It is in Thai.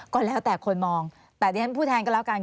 ก็แล้วแต่คนมองแต่ดิฉันพูดแทนก็แล้วกัน